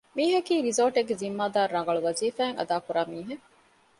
މީހަކީ ރިސޯޓެއްގެ ޒިންމާދާރު ރަނގަޅު ވަޒީފާއެއް އަދާކުރާ މީހެއް